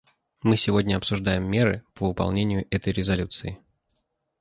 Сегодня мы обсуждаем меры по выполнению этой резолюции.